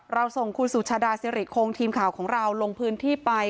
เราส่งคุณสุชาดาสิริคงทีมข่าวของเราลงพื้นที่ไป